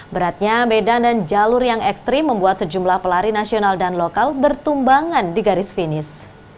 beratnya medan dan jalur yang ekstrim membuat sejumlah pelari nasional dan lokal bertumbangan di garis finish